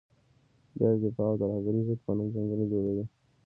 بیا د دفاع او ترهګرې ضد په نوم جنګونه جوړوي.